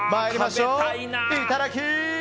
いただき！